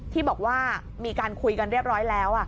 ที่บอกว่ามีการคุยกันเรียบร้อยแล้ว